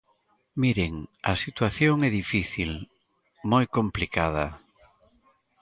Miren, a situación é difícil, moi complicada.